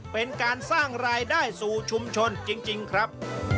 เป็นการสร้างรายได้สู่ชุมชนจริงครับ